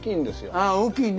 ああ大きいね。